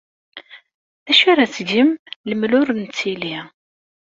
D acu ara tgem lemmer ur nettili?